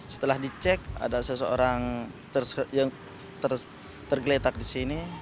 setelah dicek ada seseorang yang tergeletak di sini